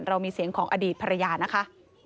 เรามีเสียงของอดีตภรรยานะคะ